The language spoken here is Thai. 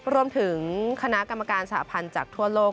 รวมถึงคณะกรรมการสหพันธ์จากทั่วโลก